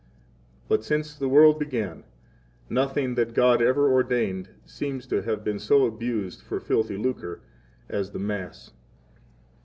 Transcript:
But since 20 the world began, nothing that God ever ordained seems to have been so abused for filthy lucre as the Mass.